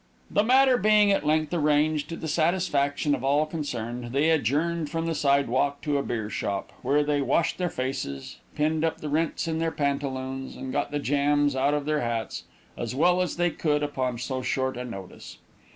The matter being at length arranged to the satisfaction of all concerned, they adjourned from the sidewalk to a beer shop, where they washed their faces, pinned up the rents in their pantaloons, and got the jams out of their hats, as well as they could upon so short a notice.